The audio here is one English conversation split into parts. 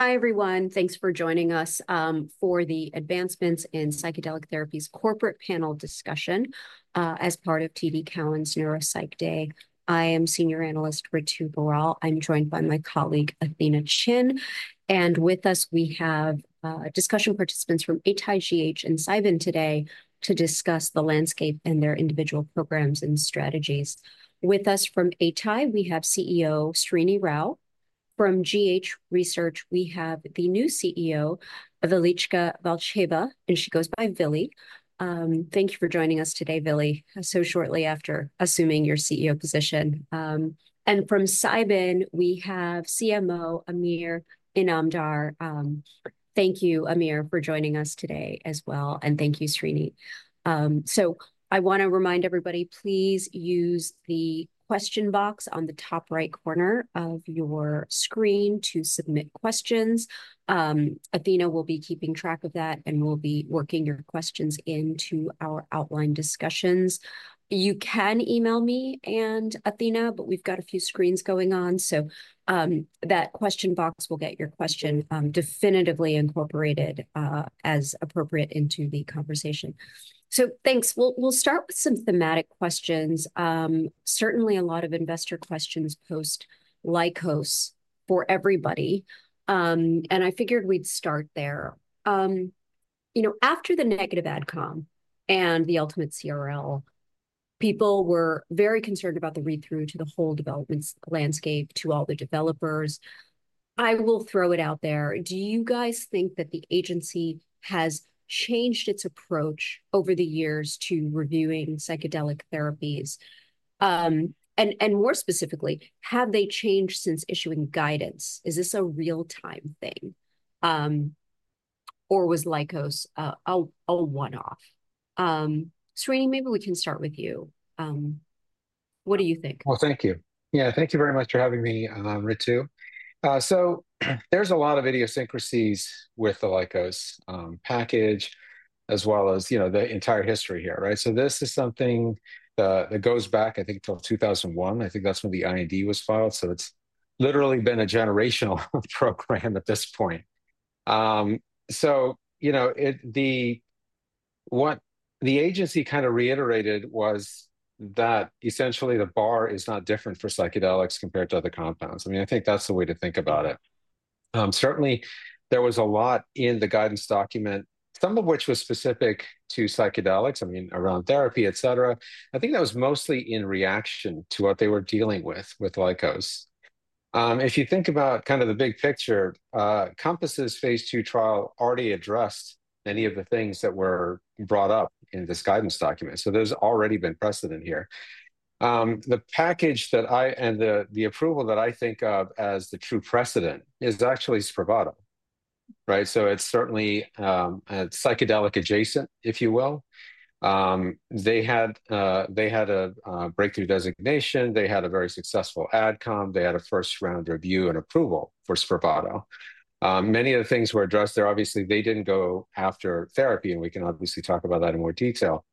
Hi, everyone. Thanks for joining us for the Advancements in Psychedelic Therapies corporate panel discussion as part of TD Cowen's NeuroPsych Day. I am senior analyst Ritu Baral. I'm joined by my colleague, Athena Chin, and with us, we have discussion participants from Atai, GH, and Cybin today to discuss the landscape and their individual programs and strategies. With us from Atai, we have CEO Srini Rao. From GH Research, we have the new CEO, Velichka Valcheva, and she goes by Villi. Thank you for joining us today, Villi, so shortly after assuming your CEO position. And from Cybin, we have CMO Amir Inamdar. Thank you, Amir, for joining us today as well, and thank you, Srini. So I wanna remind everybody, please use the question box on the top right corner of your screen to submit questions. Athena will be keeping track of that, and we'll be working your questions into our outline discussions. You can email me and Athena, but we've got a few screens going on, so, that question box will get your question, definitively incorporated, as appropriate into the conversation. So thanks. We'll start with some thematic questions. Certainly a lot of investor questions post Lykos for everybody, and I figured we'd start there. You know, after the negative AdCom and the ultimate CRL, people were very concerned about the read-through to the whole development landscape, to all the developers. I will throw it out there. Do you guys think that the agency has changed its approach over the years to reviewing psychedelic therapies? And more specifically, have they changed since issuing guidance? Is this a real-time thing, or was Lykos a one-off? Srini, maybe we can start with you. What do you think? Thank you. Yeah, thank you very much for having me, Ritu. There's a lot of idiosyncrasies with the Lykos package, as well as, you know, the entire history here, right? This is something that goes back, I think, till two thousand and one. I think that's when the IND was filed, so it's literally been a generational program at this point. You know, what the agency kind of reiterated was that essentially the bar is not different for psychedelics compared to other compounds. I mean, I think that's the way to think about it. Certainly there was a lot in the guidance document, some of which was specific to psychedelics, I mean, around therapy, et cetera. I think that was mostly in reaction to what they were dealing with, with Lykos. If you think about kind of the big picture, Compass' phase two trial already addressed many of the things that were brought up in this guidance document, so there's already been precedent here. The package that I and the approval that I think of as the true precedent is actually Spravato, right? So it's certainly a psychedelic adjacent, if you will. They had a breakthrough designation, they had a very successful AdCom, they had a first round review and approval for Spravato. Many of the things were addressed there. Obviously, they didn't go after therapy, and we can obviously talk about that in more detail.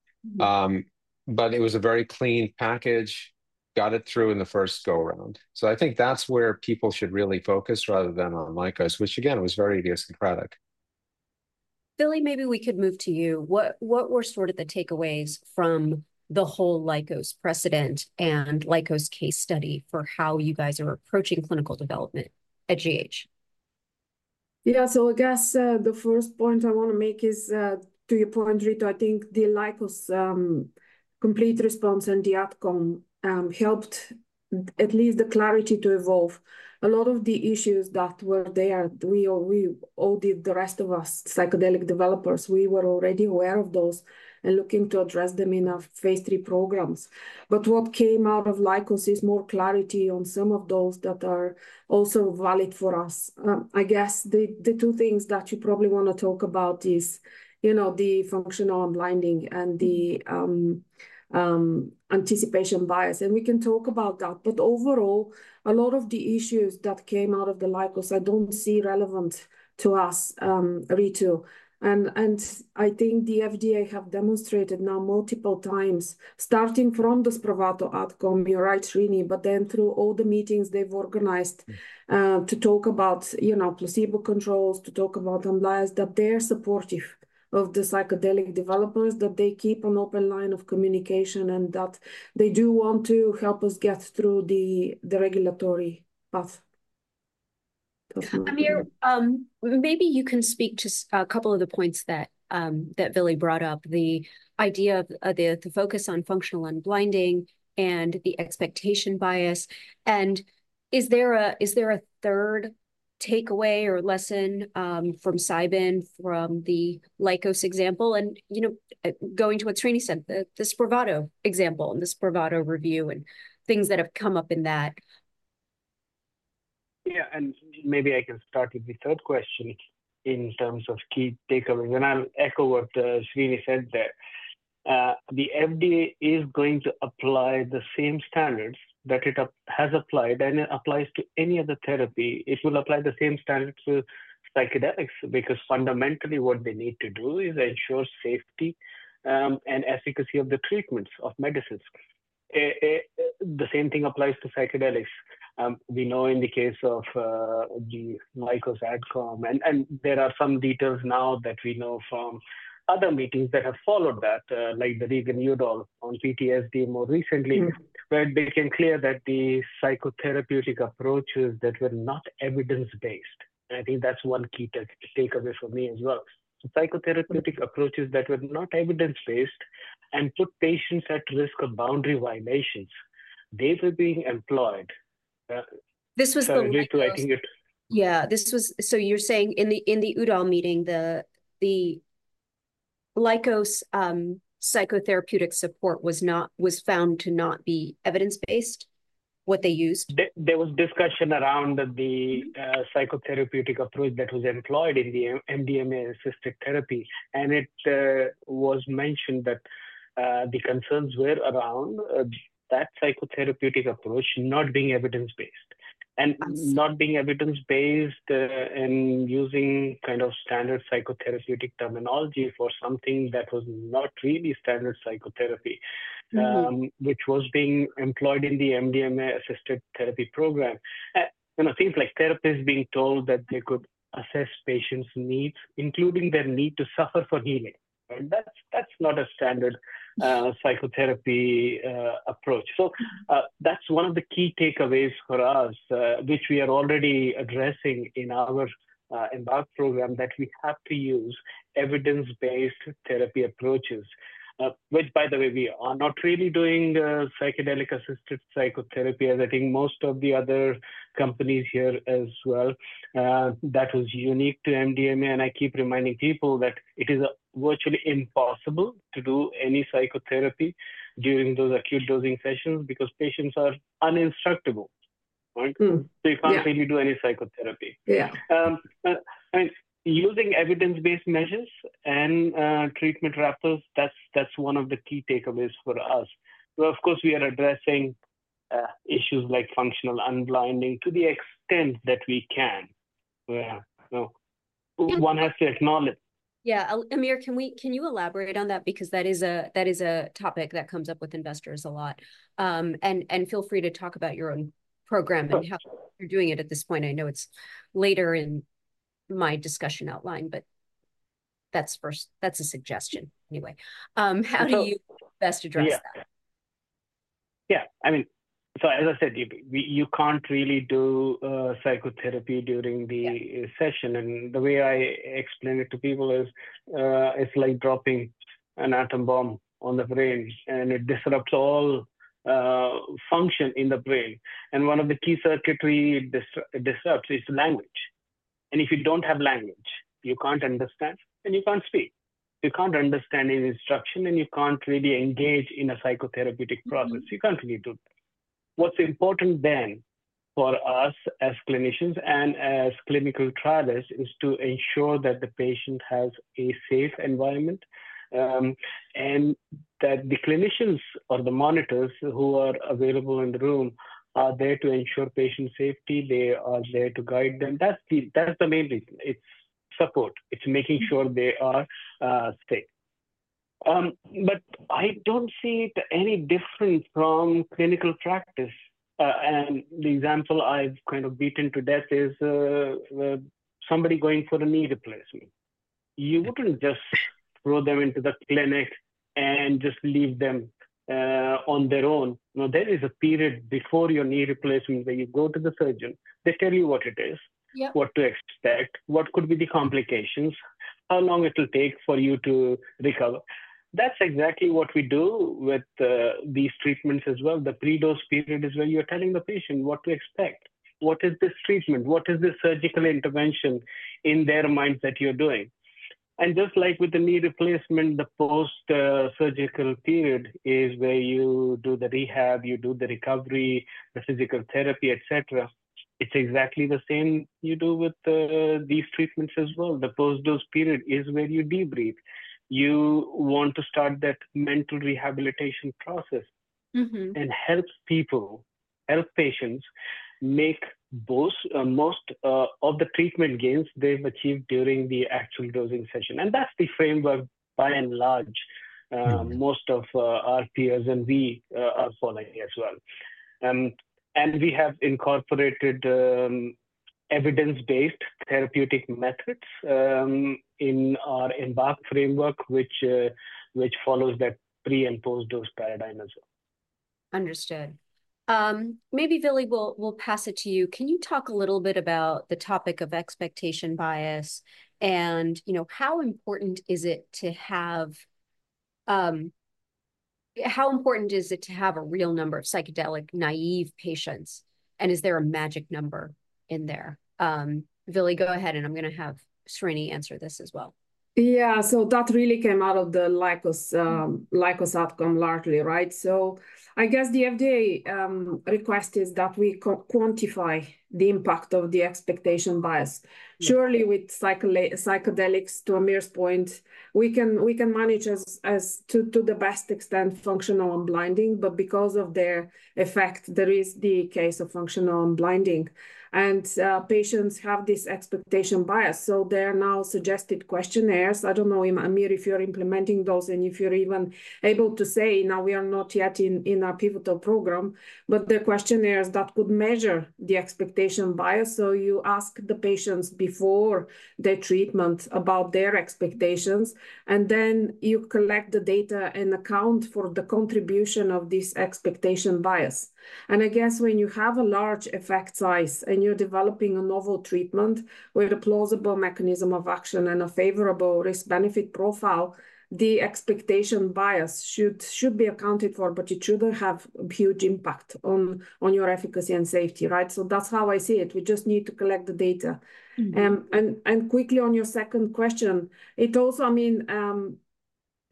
But it was a very clean package, got it through in the first go-around. So I think that's where people should really focus rather than on Lykos, which again, was very idiosyncratic. Villi, maybe we could move to you. What were sort of the takeaways from the whole Lykos precedent and Lykos case study for how you guys are approaching clinical development at GH? Yeah, so I guess, the first point I wanna make is, to your point, Ritu, I think the Lykos complete response and the outcome helped at least the clarity to evolve. A lot of the issues that were there, the rest of us, psychedelic developers, we were already aware of those and looking to address them in our phase three programs. But what came out of Lykos is more clarity on some of those that are also valid for us. I guess the two things that you probably wanna talk about is, you know, the functional unblinding and the expectation bias, and we can talk about that. But overall, a lot of the issues that came out of the Lykos, I don't see relevant to us, Ritu. I think the FDA have demonstrated now multiple times, starting from the Spravato outcome, you're right, Srini, but then through all the meetings they've organized to talk about, you know, placebo controls, to talk about outliers, that they're supportive of the psychedelic developers, that they keep an open line of communication, and that they do want to help us get through the regulatory path. Amir, maybe you can speak to a couple of the points that Villi brought up, the idea of the focus on functional unblinding and the expectation bias. And is there a third takeaway or lesson from Cybin, from the Lykos example, and you know, going to what Srini said, the Spravato example, and the Spravato review, and things that have come up in that? Yeah, and maybe I can start with the third question in terms of key takeaways, and I'll echo what, Srini said, that, the FDA is going to apply the same standards that it has applied, and it applies to any other therapy. It will apply the same standard to psychedelics because fundamentally what they need to do is ensure safety, and efficacy of the treatments of medicines. The same thing applies to psychedelics. We know in the case of, the Lykos outcome, and, there are some details now that we know from other meetings that have followed that, like the Reagan-Udall on PTSD more recently- where it became clear that the psychotherapeutic approaches that were not evidence-based, and I think that's one key takeaway for me as well. So psychotherapeutic approaches that were not evidence-based and put patients at risk of boundary violations, these were being employed. This was the Lykos- I think it- Yeah, this was. So you're saying in the Udall meeting, the Lykos psychotherapeutic support was found to not be evidence-based, what they used? There was discussion around the psychotherapeutic approach that was employed in the MDMA-assisted therapy, and it was mentioned that the concerns were around that psychotherapeutic approach not being evidence-based and using kind of standard psychotherapeutic terminology for something that was not really standard psychotherapy... which was being employed in the MDMA-assisted therapy program. You know, things like therapists being told that they could assess patients' needs, including their need to suffer for healing, and that's not a standard psychotherapy approach. So, that's one of the key takeaways for us, which we are already addressing in our EMBARK program, that we have to use evidence-based therapy approaches. Which, by the way, we are not really doing psychedelic-assisted psychotherapy, as I think most of the other companies here as well. That was unique to MDMA, and I keep reminding people that it is virtually impossible to do any psychotherapy during those acute dosing sessions because patients are uninstructable, right? So you can't really do any psychotherapy. Yeah. And using evidence-based measures and treatment wrappers, that's one of the key takeaways for us. So of course we are addressing issues like functional unblinding to the extent that we can. Yeah. So one has to acknowledge. Yeah. Amir, can you elaborate on that? Because that is a topic that comes up with investors a lot. And feel free to talk about your own program and how you're doing it at this point. I know it's later in my discussion outline, but that's first, that's a suggestion anyway. How do you best address that? Yeah. Yeah. I mean, so as I said, you, we, you can't really do psychotherapy during the-... session. And the way I explain it to people is, it's like dropping an atom bomb on the brain, and it disrupts all function in the brain. And one of the key circuitry it disrupts is language. And if you don't have language, you can't understand, and you can't speak. You can't understand any instruction, and you can't really engage in a psychotherapeutic progress. You can't really do. What's important then, for us as clinicians and as clinical trialists, is to ensure that the patient has a safe environment, and that the clinicians or the monitors who are available in the room are there to ensure patient safety. They are there to guide them. That's the main reason. It's support. It's making sure... they are safe. But I don't see it any different from clinical practice. And the example I've kind of beaten to death is somebody going for a knee replacement. You wouldn't just throw them into the clinic and just leave them on their own. No, there is a period before your knee replacement where you go to the surgeon, they tell you what it is- Yeah... what to expect, what could be the complications, how long it'll take for you to recover. That's exactly what we do with these treatments as well. The pre-dose period is when you're telling the patient what to expect. What is this treatment? What is the surgical intervention in their minds that you're doing? And just like with the knee replacement, the post surgical period is where you do the rehab, you do the recovery, the physical therapy, et cetera. It's exactly the same you do with these treatments as well. The post-dose period is where you debrief. You want to start that mental rehabilitation process-... and help people help patients make the most of the treatment gains they've achieved during the actual dosing session. That's the framework by and large most of our peers and we are following as well. We have incorporated evidence-based therapeutic methods in our EMBARK framework, which follows that pre- and post-dose paradigm as well. Understood. Maybe, Villi, we'll pass it to you. Can you talk a little bit about the topic of expectation bias? And, you know, how important is it to have a real number of psychedelic-naive patients, and is there a magic number in there? Villi, go ahead, and I'm gonna have Srini answer this as well. ... Yeah, so that really came out of the Lykos outcome largely, right? So I guess the FDA request is that we co-quantify the impact of the expectation bias. Surely, with psychedelics, to Amir's point, we can manage as to the best extent functional unblinding, but because of their effect, there is the case of functional unblinding. And patients have this expectation bias, so there are now suggested questionnaires. I don't know, Amir, if you're implementing those, and if you're even able to say. Now, we are not yet in our pivotal program, but there are questionnaires that could measure the expectation bias. So you ask the patients before their treatment about their expectations, and then you collect the data and account for the contribution of this expectation bias. I guess when you have a large effect size and you're developing a novel treatment with a plausible mechanism of action and a favorable risk-benefit profile, the expectation bias should be accounted for, but it shouldn't have a huge impact on your efficacy and safety, right? That's how I see it. We just need to collect the data. Quickly on your second question, it also, I mean,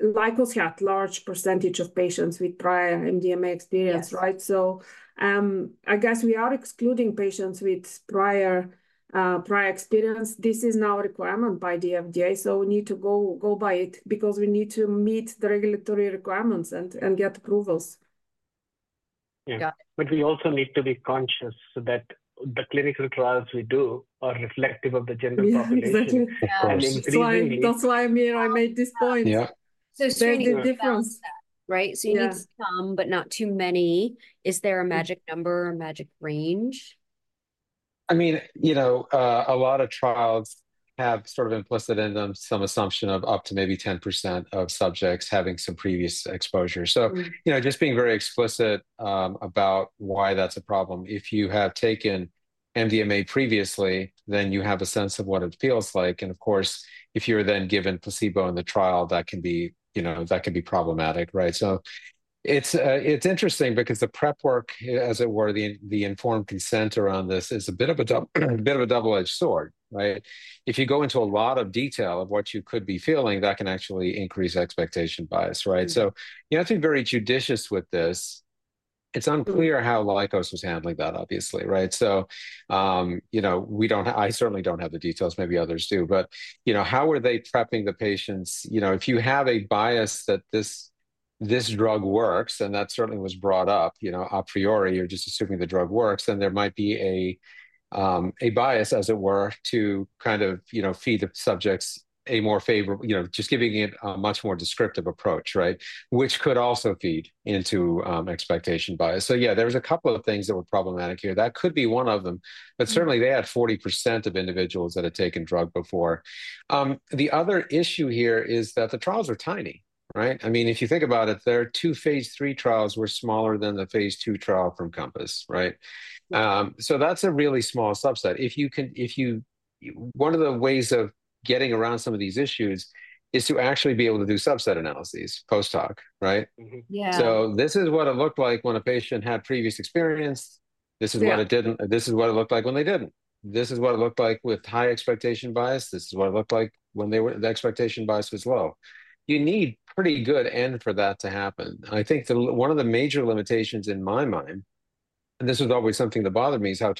Lykos had large percentage of patients with prior MDMA experience, right? Yes. I guess we are excluding patients with prior experience. This is now a requirement by the FDA, so we need to go by it because we need to meet the regulatory requirements and get approvals. Got it. Yeah, but we also need to be conscious that the clinical trials we do are reflective of the general population. Yes, that's why, that's why, Amir, I made this point. Yeah. So shining- There's a difference. Right? So you need some, but not too many. Is there a magic number or a magic range? I mean, you know, a lot of trials have sort of implicit in them some assumption of up to maybe 10% of subjects having some previous exposure. So, you know, just being very explicit about why that's a problem. If you have taken MDMA previously, then you have a sense of what it feels like, and of course, if you're then given placebo in the trial, that can be, you know, that can be problematic, right? So it's, it's interesting because the prep work, as it were, the informed consent around this is a bit of a double-edged sword, right? If you go into a lot of detail of what you could be feeling, that can actually increase expectation bias, right? So you have to be very judicious with this. It's unclear-... how Lykos was handling that, obviously, right? So, you know, we don't-- I certainly don't have the details. Maybe others do. But, you know, how are they prepping the patients? You know, if you have a bias that this, this drug works, and that certainly was brought up, you know, a priori, you're just assuming the drug works, then there might be a bias, as it were, to kind of, you know, feed the subjects a more favorable... You know, just giving it a much more descriptive approach, right? Which could also feed into expectation bias. So yeah, there was a couple of things that were problematic here. hat could be one of them-... but certainly, they had 40% of individuals that had taken the drug before. The other issue here is that the trials are tiny, right? I mean, if you think about it, their two phase III trials were smaller than the phase II trial from Compass, right? That's a really small subset. One of the ways of getting around some of these issues is to actually be able to do subset analyses post-hoc, right? Yeah. This is what it looked like when a patient had previous experience. Yeah. This is what it looked like when they didn't. This is what it looked like with high expectation bias. This is what it looked like when they were, the expectation bias was low. You need pretty good end for that to happen. I think one of the major limitations in my mind, and this was always something that bothered me, is how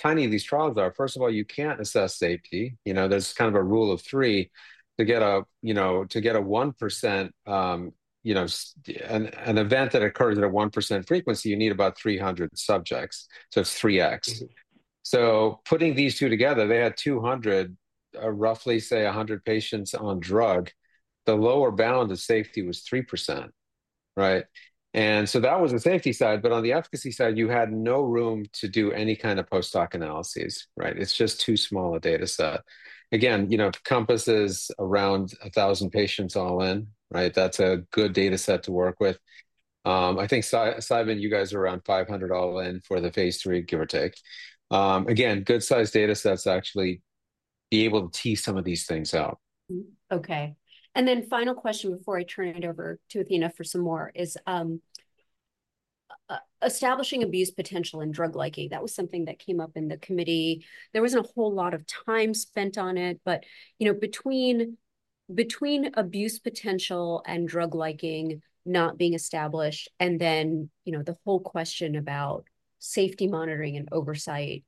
tiny these trials are. First of all, you can't assess safety. You know, there's kind of a rule of three to get a, you know, to get a 1%, you know, an event that occurs at a 1% frequency, you need about 300 subjects. So it's three X. So putting these two together, they had 200, roughly, say, 100 patients on drug. The lower bound of safety was 3%, right? And so that was the safety side, but on the efficacy side, you had no room to do any kind of post-hoc analyses, right? It's just too small a data set. Again, you know, Compass is around 1,000 patients all in, right? That's a good data set to work with. I think Cybin, you guys are around 500 all in for the phase III, give or take. Again, good-sized data sets actually be able to tease some of these things out. Okay, and then final question before I turn it over to Athena for some more is, establishing abuse potential and drug liking. That was something that came up in the committee. There wasn't a whole lot of time spent on it, but, you know, between abuse potential and drug liking not being established, and then, you know, the whole question about safety monitoring and oversight,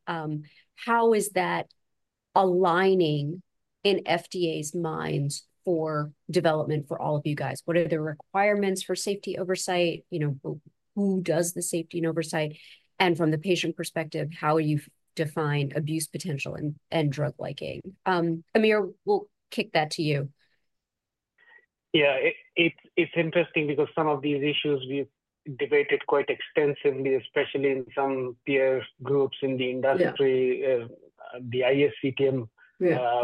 how is that aligning in FDA's minds for development for all of you guys? What are the requirements for safety oversight? You know, who does the safety and oversight? And from the patient perspective, how you've defined abuse potential and drug liking. Amir, we'll kick that to you. Yeah, it’s interesting because some of these issues we’ve debated quite extensively, especially in some peer groups in the industry. Yeah... the ISCTM- Yeah ...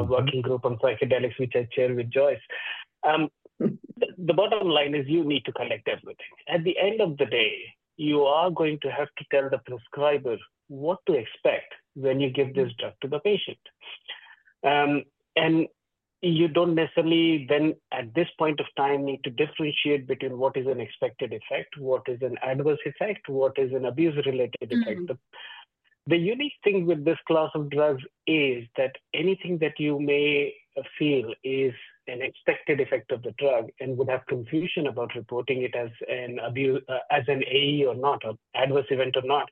working group on psychedelics, which I chair with Joyce. The bottom line is you need to collect everything. At the end of the day, you are going to have to tell the prescriber what to expect when you give this drug to the patient, and you don't necessarily then, at this point of time, need to differentiate between what is an expected effect, what is an adverse effect, what is an abuse-related effect?... The unique thing with this class of drugs is that anything that you may feel is an expected effect of the drug and would have confusion about reporting it as an abuse, as an AE or not, an adverse event or not.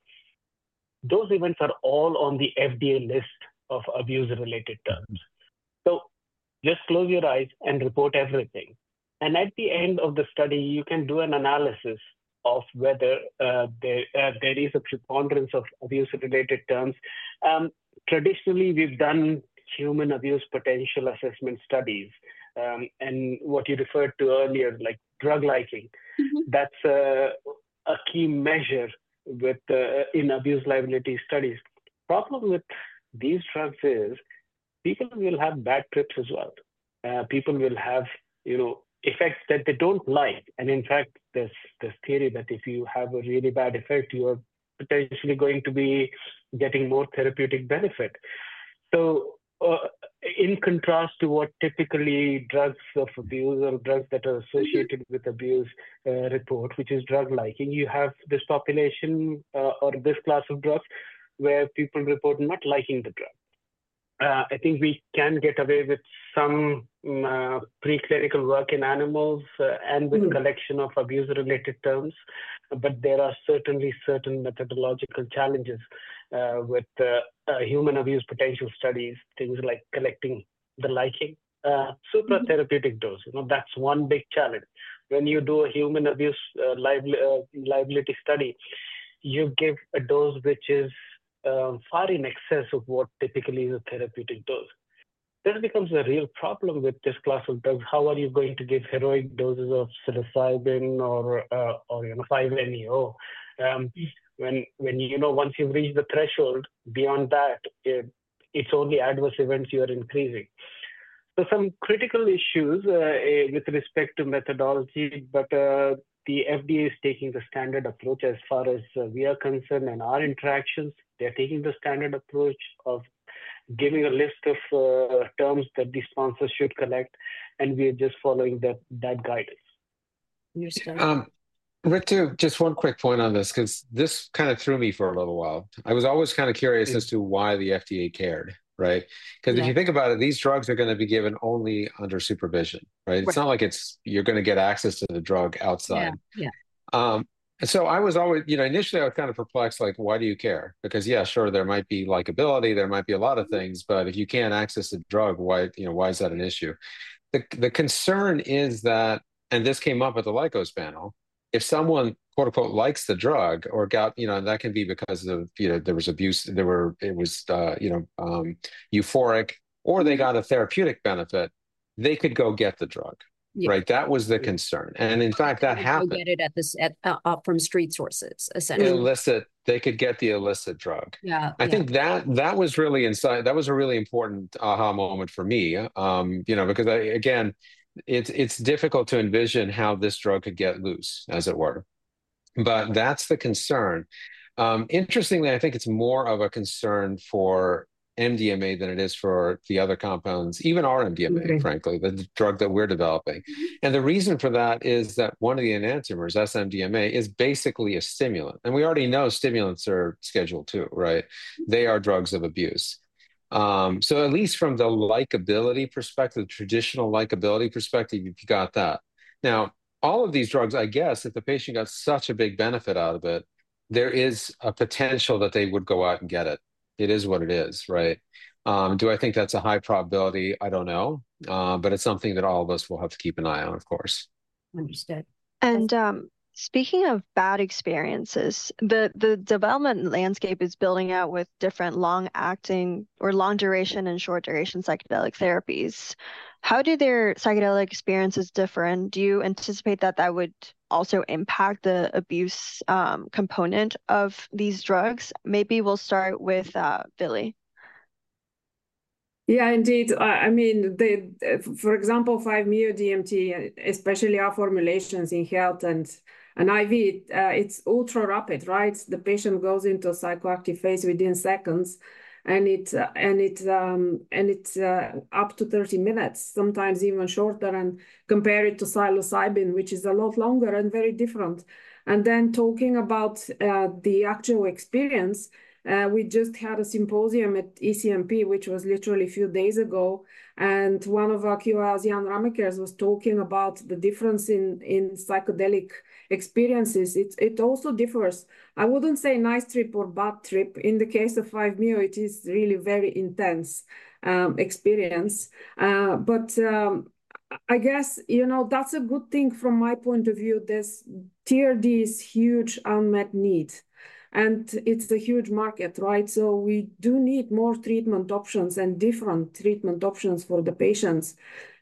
Those events are all on the FDA list of abuse-related terms. So just close your eyes and report everything, and at the end of the study, you can do an analysis of whether there is a preponderance of abuse-related terms. Traditionally, we've done human abuse potential assessment studies, and what you referred to earlier, like drug liking. That's a key measure with the in abuse liability studies. Problem with these drugs is people will have bad trips as well. People will have, you know, effects that they don't like, and in fact, there's theory that if you have a really bad effect, you are potentially going to be getting more therapeutic benefit. So, in contrast to what typically drugs of abuse or drugs that are associated-... with abuse report, which is drug liking, you have this population, or this class of drugs where people report not liking the drug. I think we can get away with some preclinical work in animals, and with-... collection of abuse-related terms, but there are certainly certain methodological challenges with the human abuse potential studies, things like collecting the liking,... supratherapeutic dose. You know, that's one big challenge. When you do a human abuse liability study, you give a dose which is far in excess of what typically is a therapeutic dose. Then it becomes a real problem with this class of drugs. How are you going to give heroic doses of psilocybin or, you know, 5-MeO? When, you know, once you've reached the threshold, beyond that, it's only adverse events you are increasing. So some critical issues with respect to methodology, but the FDA is taking the standard approach as far as we are concerned. In our interactions, they're taking the standard approach of giving a list of terms that the sponsors should collect, and we are just following that guidance. Understood. Ritu, just one quick point on this, 'cause this kind of threw me for a little while. I was always kind of curious as to why the FDA cared, right? Yeah. 'Cause if you think about it, these drugs are going to be given only under supervision, right? Right. It's not like it's. You're going to get access to the drug outside. Yeah. Yeah. And so I was always, you know, initially, I was kind of perplexed, like, "Why do you care?" Because, yeah, sure, there might be likability, there might be a lot of things, but if you can't access a drug, why, you know, why is that an issue? The concern is that, and this came up at the Lykos panel, if someone, quote, unquote, "likes the drug" or got, you know, that can be because of, you know, there was abuse, there were, it was, you know, euphoric, or they got a therapeutic benefit, they could go get the drug. Yeah. Right? That was the concern, and in fact, that happened. They could go get it from street sources, essentially. Illicit. They could get the illicit drug. Yeah. Yeah. I think that was really insightful. That was a really important aha moment for me. You know, because again, it's difficult to envision how this drug could get loose, as it were, but that's the concern. Interestingly, I think it's more of a concern for MDMA than it is for the other compounds, even our MDMA-... frankly, the drug that we're developing. And the reason for that is that one of the enantiomers, S-MDMA, is basically a stimulant, and we already know stimulants are Schedule II, right? They are drugs of abuse. So at least from the likability perspective, traditional likability perspective, you've got that. Now, all of these drugs, I guess, if the patient got such a big benefit out of it, there is a potential that they would go out and get it. It is what it is, right? Do I think that's a high probability? I don't know. But it's something that all of us will have to keep an eye on, of course. Understood. Speaking of bad experiences, the development landscape is building out with different long-acting or long duration and short duration psychedelic therapies. How do their psychedelic experiences differ, and do you anticipate that would also impact the abuse component of these drugs? Maybe we'll start with Villi. Yeah, indeed. I mean, the, for example, 5-MeO-DMT, especially our formulations inhaled and IV, it's ultra-rapid, right? The patient goes into a psychoactive phase within seconds, and it's up to 30 minutes, sometimes even shorter. And compare it to psilocybin, which is a lot longer and very different. And then, talking about the actual experience, we just had a symposium at ECNP, which was literally a few days ago, and one of our keynotes, Jan Ramaekers, was talking about the difference in psychedelic experiences. It also differs. I wouldn't say nice trip or bad trip. In the case of 5-MeO, it is really very intense experience. But, I guess, you know, that's a good thing from my point of view. This TRD is huge unmet need, and it's a huge market, right? So we do need more treatment options and different treatment options for the patients.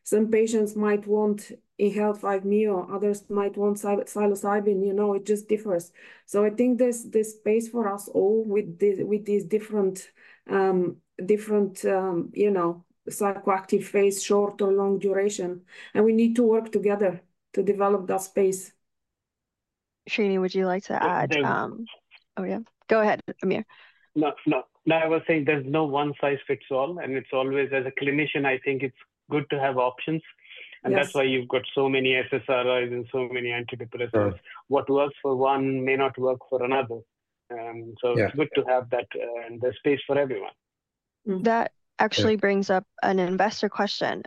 Some patients might want intranasal 5-MeO, others might want psilocybin, you know, it just differs. So I think there's the space for us all with these different, you know, psychoactives, short or long duration, and we need to work together to develop that space. Srini, would you like to add? There's- Oh, yeah. Go ahead, Amir. No, no. No, I was saying there's no one-size-fits-all, and it's always, as a clinician, I think it's good to have options. Yes. That's why you've got so many SSRIs and so many antidepressants. Sure. What works for one may not work for another. Yeah... so it's good to have that, and there's space for everyone.... That actually brings up an investor question,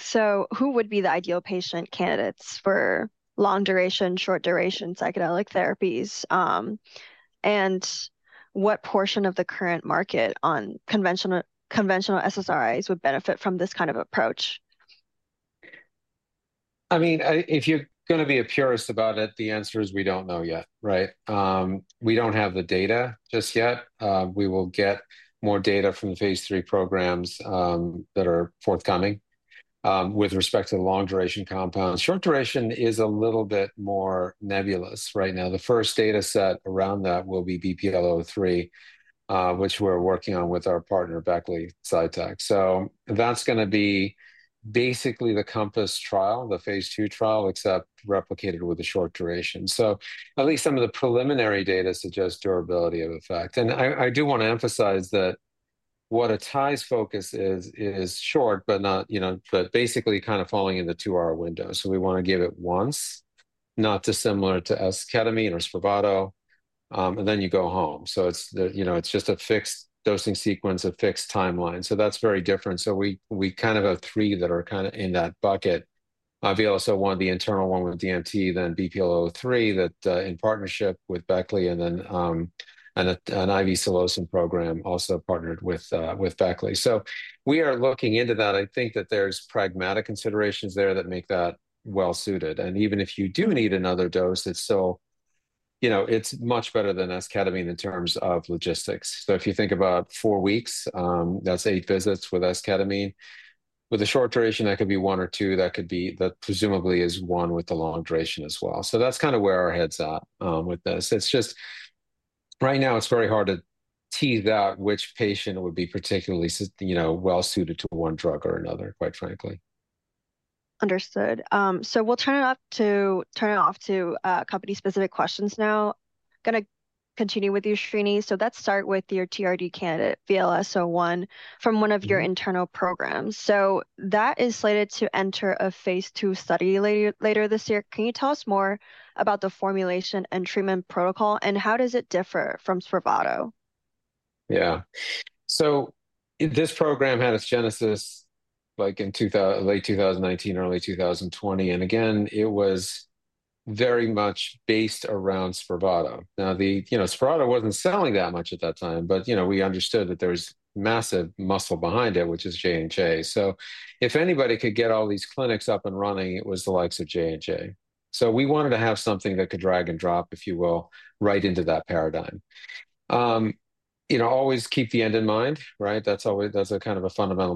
so who would be the ideal patient candidates for long-duration, short-duration psychedelic therapies, and what portion of the current market on conventional, conventional SSRIs would benefit from this kind of approach? I mean, if you're going to be a purist about it, the answer is we don't know yet, right? We don't have the data just yet. We will get more data from the phase III programs that are forthcoming with respect to the long-duration compounds. Short duration is a little bit more nebulous right now. The first data set around that will be BPL-003, which we're working on with our partner, Beckley Psytech. So that's going to be basically the Compass trial, the phase II trial, except replicated with a short duration. So at least some of the preliminary data suggests durability of effect. And I, I do want to emphasize that what Atai's focus is, is short, but not, you know, but basically kind of falling into our window. So we want to give it once, not too similar to esketamine or Spravato, and then you go home. So it's, you know, it's just a fixed dosing sequence, a fixed timeline. So that's very different. So we kind of have three that are kind of in that bucket. VLS-01, the internal one with DMT, then BPL-003, that in partnership with Beckley and then and an IV psilocin program also partnered with Beckley. So we are looking into that. I think that there's pragmatic considerations there that make that well suited. And even if you do need another dose, it's still, you know, it's much better than esketamine in terms of logistics. So if you think about four weeks, that's eight visits with esketamine. With a short duration, that could be one or two, that could be that presumably is one with the long duration as well. So that's kind of where our head's at, with this. It's just... Right now, it's very hard to tease out which patient would be particularly you know, well suited to one drug or another, quite frankly. Understood. So we'll turn it over to company-specific questions now. Gonna continue with you, Srini. So let's start with your TRD candidate, VLS-01, from one of your internal programs. That is slated to enter a phase II study later this year. Can you tell us more about the formulation and treatment protocol, and how does it differ from Spravato? Yeah. So this program had its genesis like in late 2019, early 2020, and again, it was very much based around Spravato. Now, the, you know, Spravato wasn't selling that much at that time, but, you know, we understood that there was massive muscle behind it, which is J&J. So if anybody could get all these clinics up and running, it was the likes of J&J. So we wanted to have something that could drag and drop, if you will, right into that paradigm. You know, always keep the end in mind, right? That's always, that's a kind of a fundamental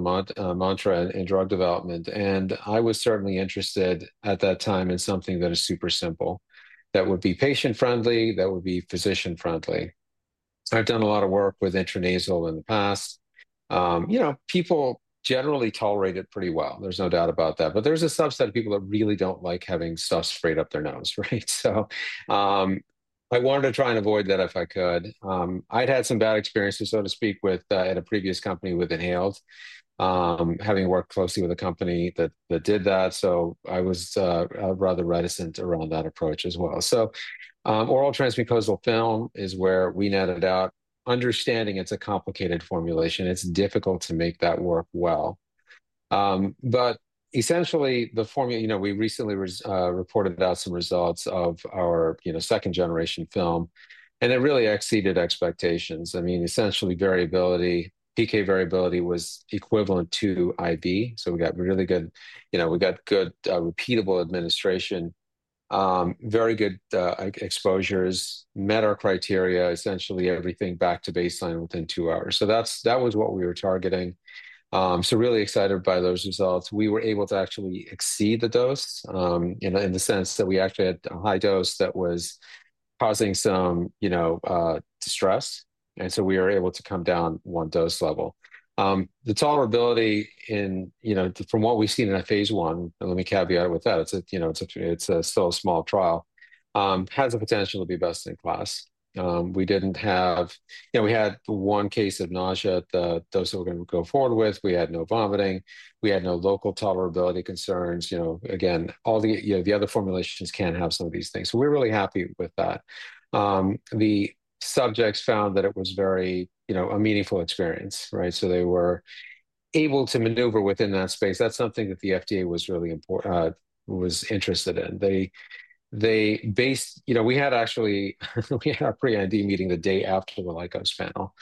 mantra in drug development, and I was certainly interested at that time in something that is super simple, that would be patient-friendly, that would be physician-friendly. I've done a lot of work with intranasal in the past. You know, people generally tolerate it pretty well. There's no doubt about that, but there's a subset of people that really don't like having stuff sprayed up their nose, right? So I wanted to try and avoid that if I could. I'd had some bad experiences, so to speak, with at a previous company with inhaled, having worked closely with a company that did that, so I was rather reticent around that approach as well. So oral transmucosal film is where we netted out, understanding it's a complicated formulation. It's difficult to make that work well, but essentially, the formula. You know, we recently reported about some results of our, you know, second-generation film, and it really exceeded expectations. I mean, essentially variability, PK variability was equivalent to IV, so we got really good. You know, we got good, repeatable administration, very good, exposures, met our criteria, essentially everything back to baseline within two hours. So that's, that was what we were targeting. So really excited by those results. We were able to actually exceed the dose, in a sense that we actually had a high dose that was causing some, you know, distress, and so we were able to come down one dose level. The tolerability in, you know, from what we've seen in a phase I, and let me caveat with that, it's a, you know, it's a, it's still a small trial, has the potential to be best in class. We didn't have... You know, we had one case of nausea at the dose we're going to go forward with. We had no vomiting. We had no local tolerability concerns. You know, again, all the, you know, the other formulations can have some of these things. So we're really happy with that. The subjects found that it was very, you know, a meaningful experience, right? So they were able to maneuver within that space. That's something that the FDA was really important, was interested in. You know, we had actually, we had our pre-IND meeting the day after the Lykos panel,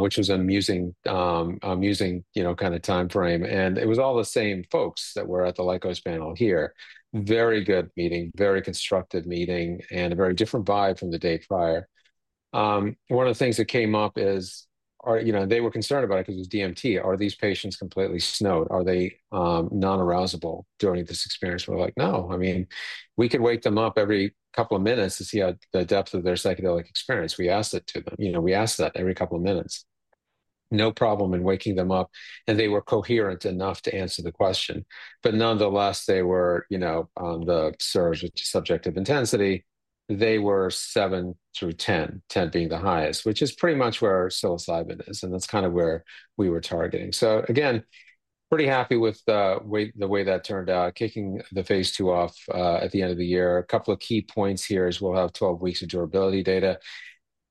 which was amusing, you know, kind of time frame, and it was all the same folks that were at the Lykos panel here. Very good meeting, very constructive meeting, and a very different vibe from the day prior. One of the things that came up is you know they were concerned about it because it's DMT. Are these patients completely snowed? Are they non-arousable during this experience? We're like, "No." I mean, we could wake them up every couple of minutes to see how the depth of their psychedelic experience. We asked it to them. You know, we asked that every couple of minutes. No problem in waking them up, and they were coherent enough to answer the question, but nonetheless, they were you know on the SIRS, which is subjective intensity, they were 7 through 10, 10 being the highest, which is pretty much where psilocybin is, and that's kind of where we were targeting. So again, pretty happy with the way that turned out, kicking the phase II off at the end of the year. A couple of key points here is we'll have twelve weeks of durability data.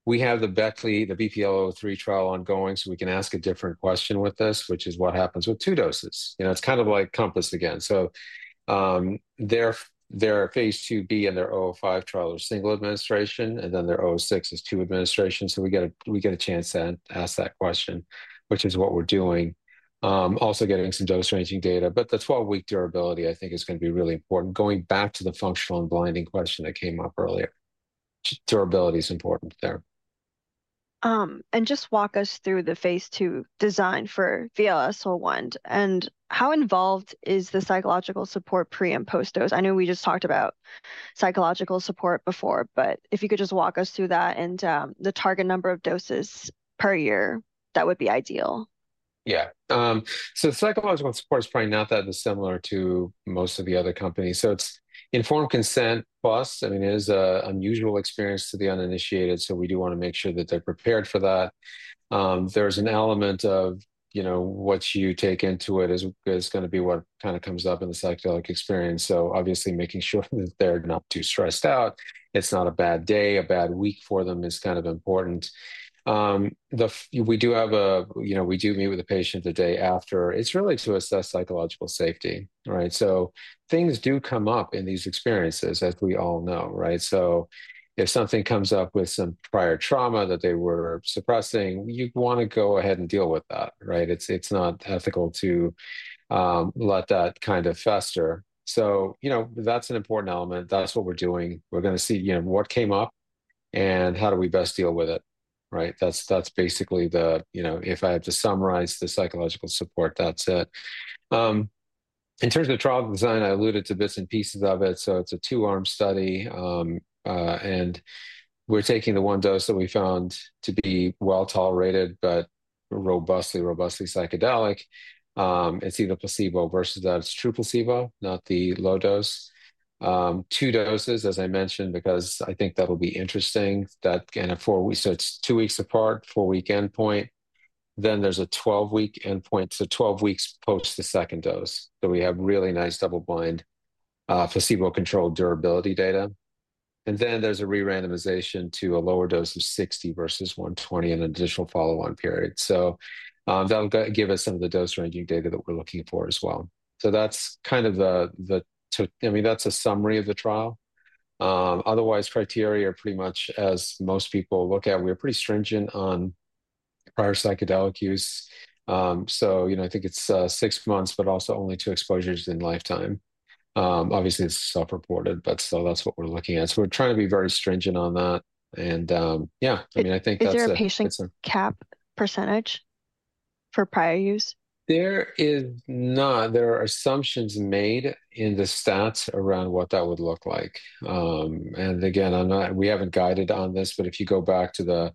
We have the Beckley, the BPL-003 trial ongoing, so we can ask a different question with this, which is what happens with two doses? You know, it's kind of like Compass again. So, their phase IIb and their 005 trial are single administration, and then their 006 is two administrations, so we get a chance to ask that question, which is what we're doing. Also getting some dose-ranging data. But the twelve-week durability, I think, is gonna be really important. Going back to the functional and blinding question that came up earlier, durability is important there. And just walk us through the phase II design for VLS-01, and how involved is the psychological support pre and post-dose? I know we just talked about psychological support before, but if you could just walk us through that and the target number of doses per year, that would be ideal. Yeah. So the psychological support is probably not that dissimilar to most of the other companies. So it's informed consent plus. I mean, it is an unusual experience to the uninitiated, so we do wanna make sure that they're prepared for that. There's an element of, you know, what you take into it is gonna be what kind of comes up in the psychedelic experience, so obviously making sure that they're not too stressed out, it's not a bad day, a bad week for them is kind of important. We do have, you know, we do meet with the patient the day after. It's really to assess psychological safety, right? So things do come up in these experiences, as we all know, right? So if something comes up with some prior trauma that they were suppressing, you'd wanna go ahead and deal with that, right? It's, it's not ethical to, let that kind of fester. So, you know, that's an important element. That's what we're doing. We're gonna see, you know, what came up, and how do we best deal with it, right? That's, that's basically the... You know, if I had to summarize the psychological support, that's it. In terms of the trial design, I alluded to bits and pieces of it, so it's a two-arm study. And we're taking the one dose that we found to be well-tolerated, but robustly, robustly psychedelic. It's either placebo versus that. It's true placebo, not the low dose. Two doses, as I mentioned, because I think that'll be interesting, and a four-week endpoint. It's two weeks apart, four-week endpoint. Then there's a twelve-week endpoint, so twelve weeks post the second dose. We have really nice double-blind, placebo-controlled durability data. And then there's a re-randomization to a lower dose of 60 versus 120 and an additional follow-on period. That'll give us some of the dose-ranging data that we're looking for as well. That's kind of the I mean, that's a summary of the trial. Otherwise, criteria are pretty much as most people look at. We're pretty stringent on prior psychedelic use. So, you know, I think it's six months, but also only two exposures in lifetime. Obviously, it's self-reported, but still, that's what we're looking at. So we're trying to be very stringent on that, and, yeah, I mean, I think that's a- Is there a patient cap percentage for prior use? There is not. There are assumptions made in the stats around what that would look like, and again, I'm not. We haven't guided on this, but if you go back to the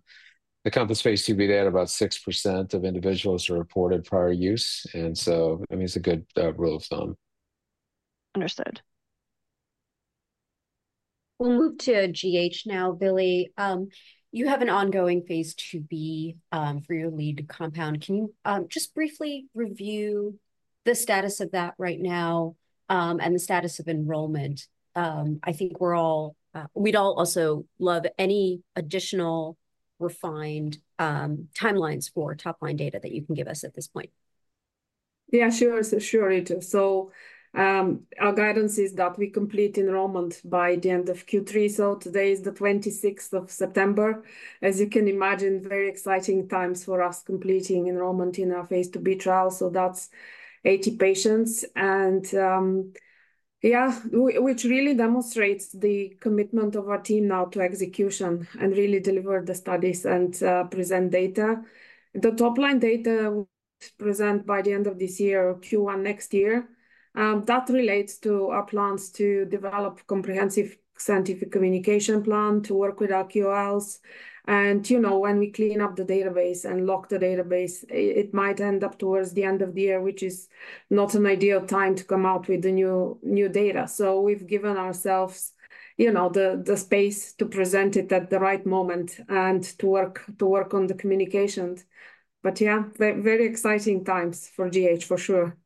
Compass phase IIb, they had about 6% of individuals who reported prior use, and so, I mean, it's a good rule of thumb. Understood. We'll move to GH now. Villi, you have an ongoing phase IIb for your lead compound. Can you just briefly review the status of that right now, and the status of enrollment? I think we'd all also love any additional refined timelines for top-line data that you can give us at this point. Yeah, sure, sure, Ritu. So, our guidance is that we complete enrollment by the end of Q3, so today is the twenty-sixth of September. As you can imagine, very exciting times for us, completing enrollment in our phase IIb trial, so that's eighty patients. And, yeah, which really demonstrates the commitment of our team now to execution and really deliver the studies and, present data. The top-line data present by the end of this year or Q1 next year, that relates to our plans to develop comprehensive scientific communication plan, to work with our KOLs. And, you know, when we clean up the database and lock the database, it, it might end up towards the end of the year, which is not an ideal time to come out with the new, new data. So we've given ourselves, you know, the space to present it at the right moment and to work on the communications. But yeah, very exciting times for GH, for sure.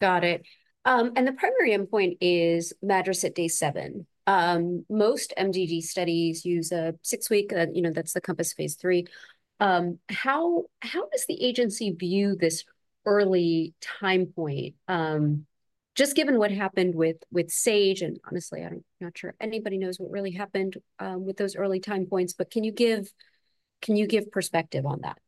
Got it. And the primary endpoint is MADRS at day seven. Most MDD studies use a six-week, you know, that's the Compass phase III. How does the agency view this early time point, just given what happened with Sage, and honestly, I'm not sure anybody knows what really happened with those early time points, but can you give perspective on that? ...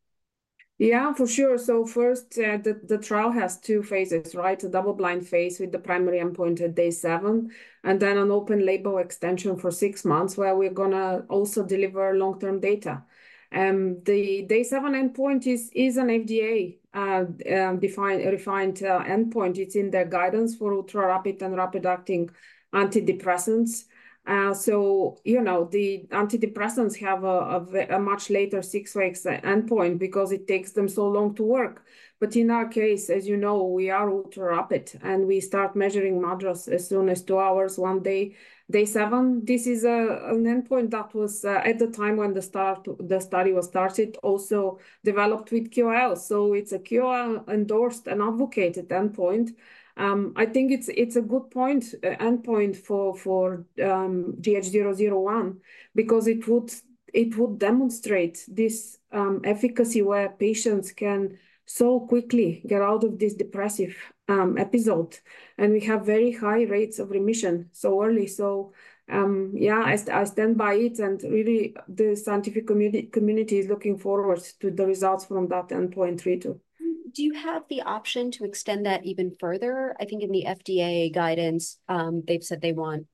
Yeah, for sure. So first, the trial has two phases, right? A double-blind phase with the primary endpoint at day seven, and then an open-label extension for six months, where we're gonna also deliver long-term data. The day seven endpoint is an FDA-defined, a refined endpoint. It's in their guidance for ultrarapid and rapid-acting antidepressants. So, you know, the antidepressants have a much later six-week endpoint because it takes them so long to work. But in our case, as you know, we are ultrarapid, and we start measuring MADRS as soon as two hours, one day, day seven. This is an endpoint that was, at the time when the study was started, also developed with KOL. So it's a KOL-endorsed and advocated endpoint. I think it's a good point, endpoint for GH001 because it would demonstrate this efficacy where patients can so quickly get out of this depressive episode, and we have very high rates of remission so early. So, yeah, I stand by it, and really, the scientific community is looking forward to the results from that endpoint three, too. Do you have the option to extend that even further? I think in the FDA guidance, they've said they want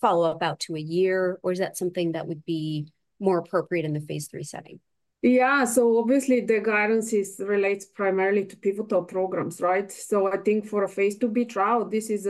follow-up out to a year, or is that something that would be more appropriate in the phase III setting? Yeah. So obviously, the guidance is, relates primarily to pivotal programs, right? So I think for a phase IIb trial, this is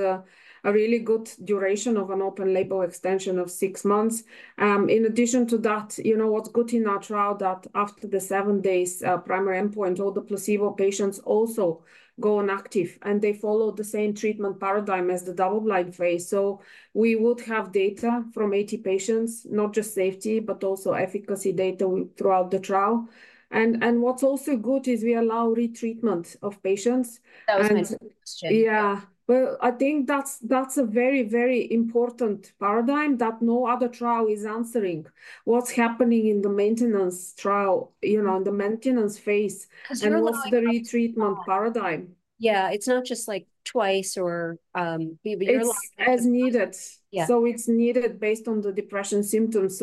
a really good duration of an open-label extension of six months. In addition to that, you know what's good in our trial that after the seven days primary endpoint, all the placebo patients also go on active, and they follow the same treatment paradigm as the double-blind phase. So we would have data from eighty patients, not just safety, but also efficacy data throughout the trial. And what's also good is we allow retreatment of patients. And That was my next question. Yeah. Well, I think that's a very, very important paradigm that no other trial is answering. What's happening in the maintenance trial, you know, the maintenance phase- 'Cause you're like-... and what's the retreatment paradigm? Yeah, it's not just like twice or, but you're like- It's as needed. Yeah. It's needed based on the depression symptoms.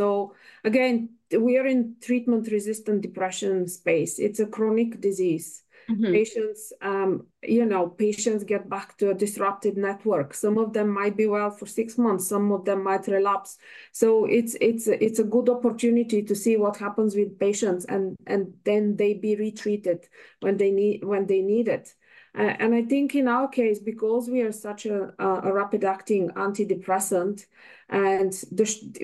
Again, we are in treatment-resistant depression space. It's a chronic disease. Patients, you know, patients get back to a disrupted network. Some of them might be well for six months. Some of them might relapse. So it's a good opportunity to see what happens with patients, and then they be retreated when they need it. And I think in our case, because we are such a rapid-acting antidepressant, and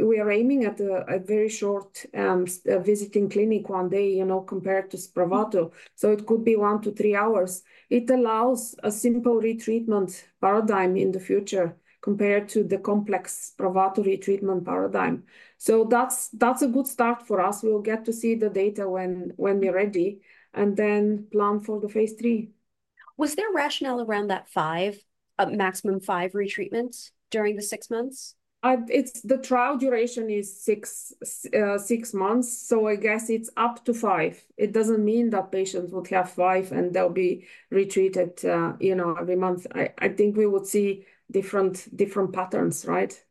we are aiming at a very short visiting clinic one day, you know, compared to Spravato, so it could be one to three hours. It allows a simple retreatment paradigm in the future compared to the complex Spravato retreatment paradigm. So that's a good start for us. We'll get to see the data when we're ready, and then plan for the phase III. Was there a rationale around that five, maximum five retreatments during the six months? It's the trial duration is six months, so I guess it's up to five. It doesn't mean that patients would have five, and they'll be retreated, you know, every month. I think we would see different patterns, right?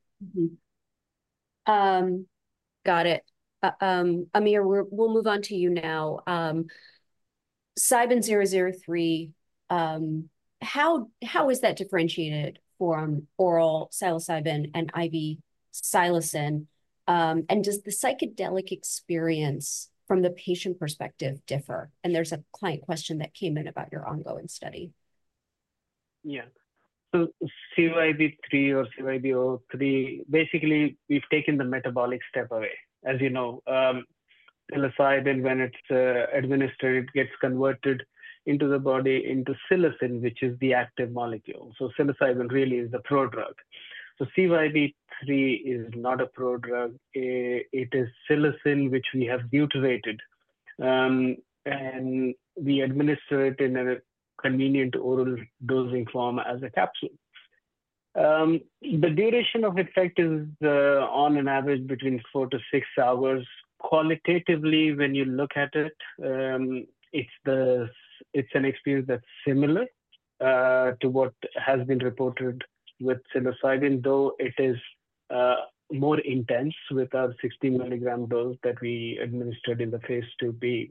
Got it. Amir, we'll move on to you now. CYB003, how is that differentiated from oral psilocybin and IV psilocin? And does the psychedelic experience from the patient perspective differ? And there's a client question that came in about your ongoing study. Yeah. So CYB003, basically, we've taken the metabolic step away. As you know, psilocybin, when it's administered, it gets converted into the body, into psilocin, which is the active molecule. So psilocybin really is the prodrug. So CYB003 is not a prodrug. It is psilocin, which we have deuterated, and we administer it in a convenient oral dosing form as a capsule. The duration of effect is on average between four to six hours. Qualitatively, when you look at it, it's an experience that's similar to what has been reported with psilocybin, though it is more intense with our 60-milligram dose that we administered in the phase IIb.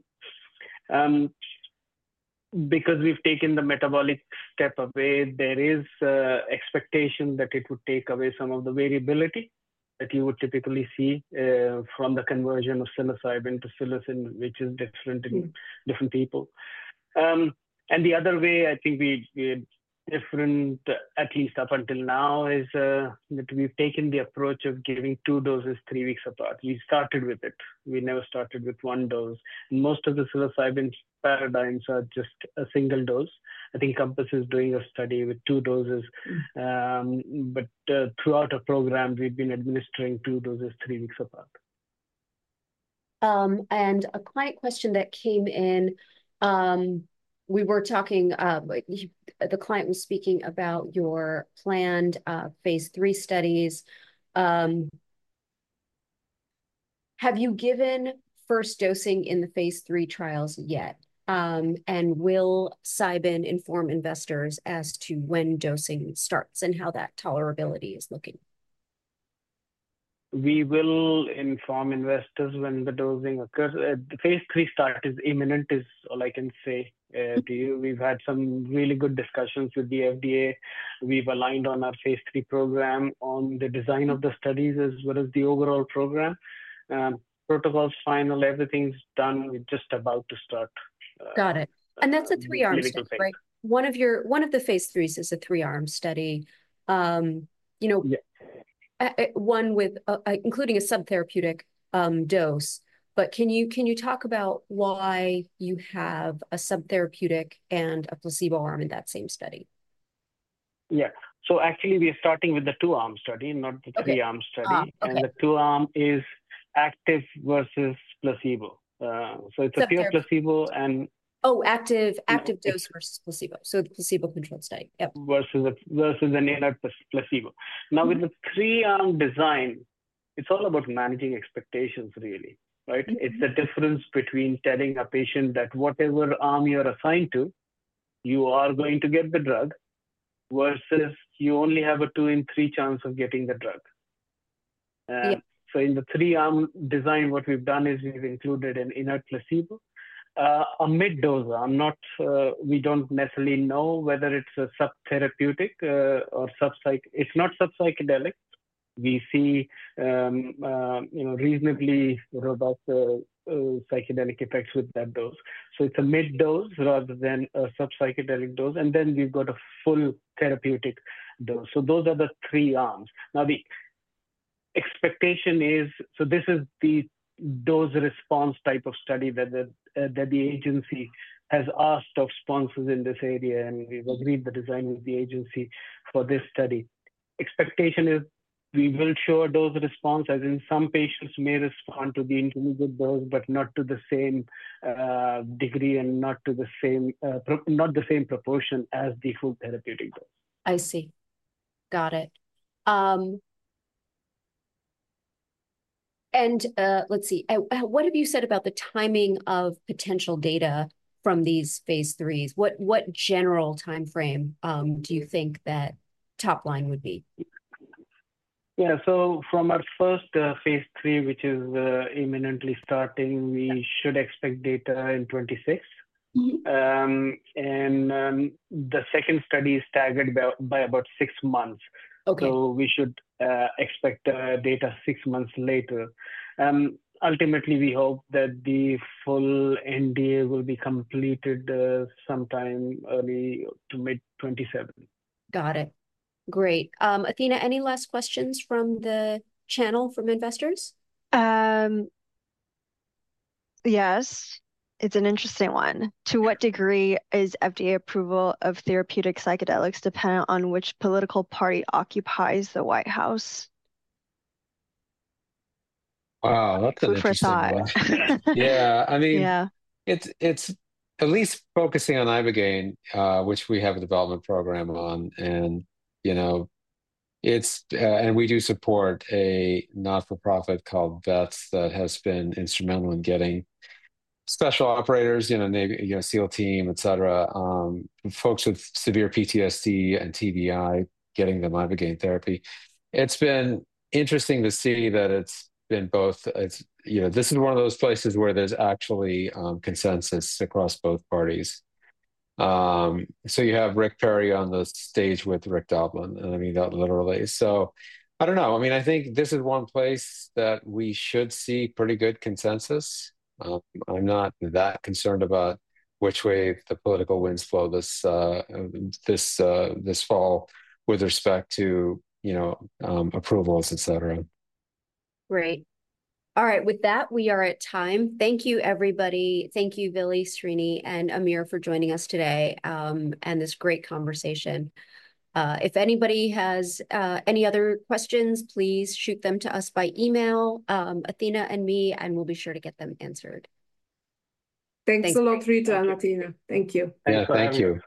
Because we've taken the metabolic step away, there is expectation that it would take away some of the variability that you would typically see from the conversion of psilocybin to psilocin, which is different-... in different people. And the other way, I think we are different, at least up until now, is that we've taken the approach of giving two doses, three weeks apart. We started with it. We never started with one dose. Most of the psilocybin paradigms are just a single dose. I think Compass is doing a study with two doses. Throughout our program, we've been administering two doses, three weeks apart. A client question that came in, we were talking. The client was speaking about your planned phase III studies. Have you given first dosing in the phase III trials yet? And will Cybin inform investors as to when dosing starts and how that tolerability is looking?... we will inform investors when the dosing occurs. The phase III start is imminent, is all I can say, to you. We've had some really good discussions with the FDA. We've aligned on our phase III program, on the design of the studies, as well as the overall program. Protocol's final, everything's done. We're just about to start. Got it. A little thing. That's a three-arm study, right? One of your, one of the phase IIIs is a three-arm study. You know- Yeah. One with, including a subtherapeutic dose. But can you talk about why you have a subtherapeutic and a placebo arm in that same study? Yeah, so actually, we are starting with the two-arm study, not the three-arm study. Okay. Okay. And the two-arm is active versus placebo. So it's a pure- Subther-... placebo, and- Oh, active dose versus placebo. So the placebo-controlled study, yep. Versus an inert placebo. Now, with the three-arm design, it's all about managing expectations really, right? It's the difference between telling a patient that whatever arm you're assigned to, you are going to get the drug, versus you only have a two in three chance of getting the drug. Yeah... so in the three-arm design, what we've done is we've included an inert placebo. A mid dose. I'm not. We don't necessarily know whether it's a subtherapeutic, or subpsy- it's not subpsychedelic. We see, you know, reasonably robust, psychedelic effects with that dose. So it's a mid dose rather than a subpsychedelic dose, and then we've got a full therapeutic dose. So those are the three arms. Now, the expectation is, so this is the dose response type of study that the, that the agency has asked of sponsors in this area, and we've agreed the design with the agency for this study. Expectation is we will show a dose response, as in some patients may respond to the intermediate dose, but not to the same degree, and not to the same proportion as the full therapeutic dose. I see. Got it, and what have you said about the timing of potential data from these phase IIIs? What general timeframe do you think that top line would be? Yeah, so from our first phase III, which is imminently starting, we should expect data in 2026. The second study is staggered by about six months. Okay. So we should expect data six months later. Ultimately, we hope that the full NDA will be completed sometime early to mid 2027. Got it. Great. Athena, any last questions from the channel, from investors? Yes. It's an interesting one. Yeah. To what degree is FDA approval of therapeutic psychedelics dependent on which political party occupies the White House? Wow, that's an interesting one. Food for thought. Yeah, I mean- Yeah... it's at least focusing on ibogaine, which we have a development program on, and, you know, it's. And we do support a not-for-profit called VETS, that has been instrumental in getting special operators, you know, SEAL Team, et cetera, folks with severe PTSD and TBI, getting them ibogaine therapy. It's been interesting to see that it's been both, it's, you know, this is one of those places where there's actually consensus across both parties. So you have Rick Perry on the stage with Rick Doblin, and I mean, that literally. So I don't know. I mean, I think this is one place that we should see pretty good consensus. I'm not that concerned about which way the political winds flow this fall with respect to, you know, approvals, etc. Great. All right. With that, we are at time. Thank you, everybody. Thank you, Villi, Srini, and Amir, for joining us today, and this great conversation. If anybody has any other questions, please shoot them to us by email, Athena and me, and we'll be sure to get them answered. Thanks. Thanks. Thanks a lot, Ritu and Athena. Thank you. Yeah, thank you.